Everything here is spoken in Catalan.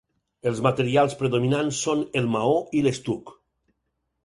Els materials predominants són el maó i l'estuc.